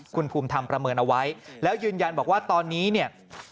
คุณภูมิธรรมประเมินเอาไว้แล้วยืนยันบอกว่าตอนนี้เนี่ย